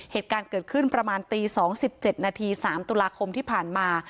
เหตุการณ์เกิดขึ้นประมาณตี๒๗นาที๓ตุลาคมที่ผ่านมา